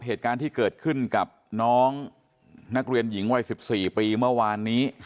เหตุการณ์ที่เกิดขึ้นกับน้องนักเรียนหญิงวัย๑๔ปีเมื่อวานนี้